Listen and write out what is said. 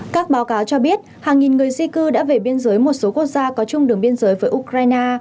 các báo cáo cho biết hàng nghìn người di cư đã về biên giới một số quốc gia có chung đường biên giới với ukraine